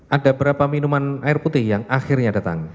ada berapa minuman air putih yang akhirnya datang